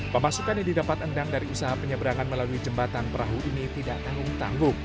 pemasukan yang didapat endang dari usaha penyeberangan melalui jembatan perahu ini tidak tanggung tanggung